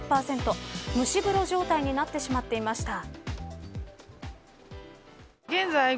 蒸し風呂状態になってしまっていました。